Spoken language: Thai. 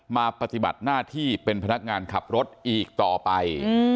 ปฏิบัติหน้าที่เป็นพนักงานขับรถอีกต่อไป